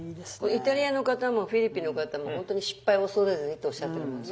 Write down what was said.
イタリアの方もフィリピンの方も本当に失敗を恐れずにっておっしゃってるもんね。